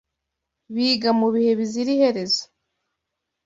biga mu bihe bizira iherezo